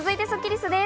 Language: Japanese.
続いてスッキりす。